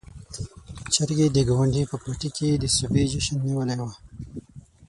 چرګې د ګاونډي په پټي کې د سوبې جشن نيولی و.